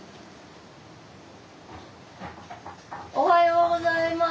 ・おはようございます。